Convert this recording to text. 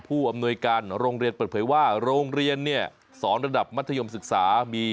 ผู้อำนวยการโรงเรียนเปิดเผยว่าโรงเรียนเนี่ยสอนระดับมัธยมศึกษามี